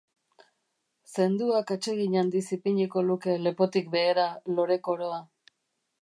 Zenduak atsegin handiz ipiniko luke lepotik behera lore-koroa.